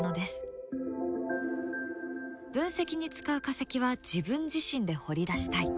分析に使う化石は自分自身で掘り出したい。